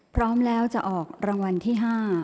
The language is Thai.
พร้อมแล้วจะออกรางวัลที่๕